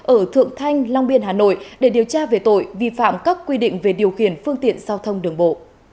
ở thượng thanh long biên hà nội để điều tra về tội vi phạm các quy định về điều khiển phương tiện giao thông đường bộ